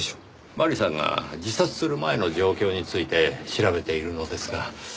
麻里さんが自殺する前の状況について調べているのですが。